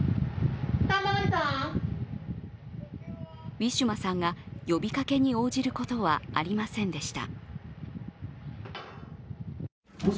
ウィシュマさんが呼びかけに応じることはありませんでした。